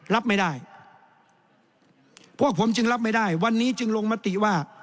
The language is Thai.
รับไม่ได้พวกผมจึงรับไม่ได้วันนี้จึงลงมติว่า